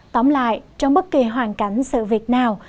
tóm lại trong bất kỳ hoàn cảnh sự việc nào